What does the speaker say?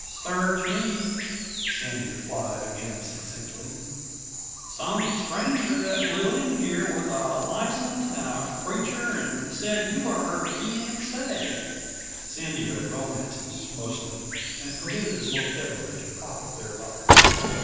"Search me" Sandy replied again succinctly. "Some stranger that blew in here with a license and the preacher and said you was her fee ancy." (Sandy read romances, mostly, and permitted his vocabulary to profit thereby.)